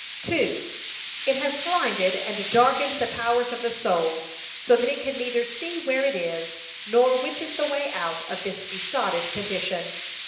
2. It has blinded and darkened the powers of the soul, so that it can neither see where it is, nor which is the way out of this besotted condition.